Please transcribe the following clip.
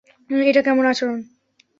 এটা কেমন আচরণ?